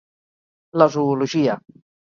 La zoologia